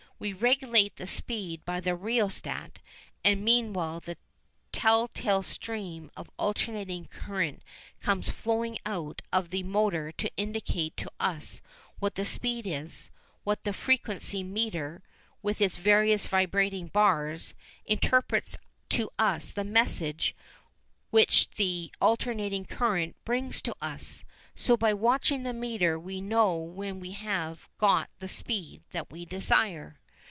We regulate the speed by the rheostat, and meanwhile that tell tale stream of alternating current comes flowing out of the motor to indicate to us what the speed is, while the "frequency meter," with its various vibrating bars, interprets to us the message which the alternating current brings to us. So by watching the meter we know when we have got the speed that we desire.